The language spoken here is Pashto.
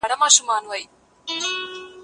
قرآني قصې خورا ډيري ګټي لري.